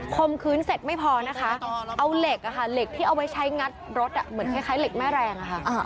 ข่มขืนเสร็จไม่พอนะคะเอาเหล็กที่เอาไว้ใช้งัดรถเหมือนเหมือนเหล็กแม่แรง